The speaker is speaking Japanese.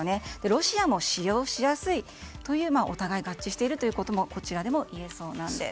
ロシアも使用しやすいというお互い合致しているということがこちらでもいえそうなんです。